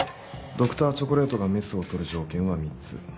Ｄｒ．チョコレートがメスを執る条件は３つ。